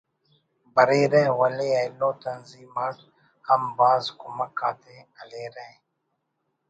بریرہ ولے ایلو تنظیم آک ہم بھاز آ کمک آتے ہلیرہ